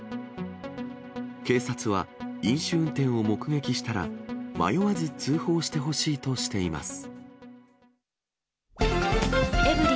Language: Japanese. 警察は、飲酒運転を目撃したら、迷わず通報してほしいとしています。